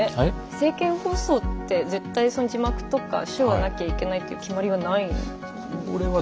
政見放送って絶対字幕とか手話なきゃいけないという決まりはないんですね。